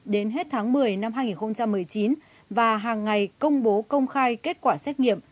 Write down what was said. đến hết tháng một mươi năm hai nghìn một mươi chín và hàng ngày công bố công khai kết quả xét nghiệm